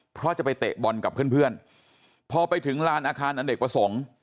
เพราะจะไปเตะบอลกับเพื่อนพอไปถึงลานอาคารอเนกประสงค์